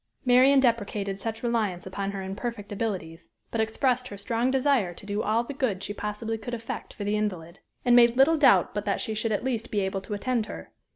Marian deprecated such reliance upon her imperfect abilities, but expressed her strong desire to do all the good she possibly could effect for the invalid, and made little doubt but that she should at least be able to attend her.